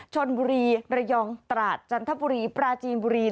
ชนบุรีระยองตราดจันทบุรีปราจีนบุรี